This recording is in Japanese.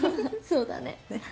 そうだね。